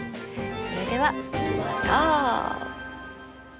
それではまた。